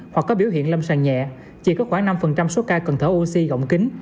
hoặc có biểu hiện lâm sàn nhẹ chỉ có khoảng năm số ca cần thở oxy gọng kín